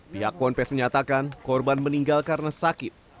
pihak ponpes menyatakan korban meninggal karena sakit